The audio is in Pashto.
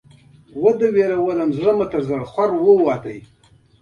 مولوي بشیر په ډاډ سره ورته وویل.